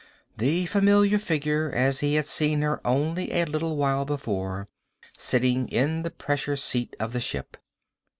The familiar figure, as he had seen her only a little while before. Sitting in the pressure seat of the ship.